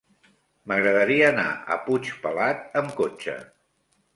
M'agradaria anar a Puigpelat amb cotxe.